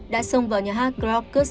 đã xông vào nhà hát grobka